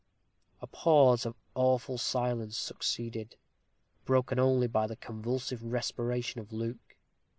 A pause of awful silence succeeded, broken only by the convulsive respiration of Luke.